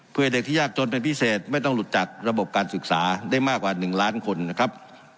เพื่อให้เด็กที่ยากจนเป็นพิเศษไม่ต้องหลุดจากระบบการศึกษาได้มากกว่า๑ล้านคนนะครับ